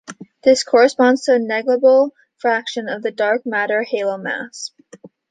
This corresponds to a negligible fraction of the dark matter halo mass.